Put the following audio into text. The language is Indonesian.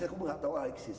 aku gak tau alexis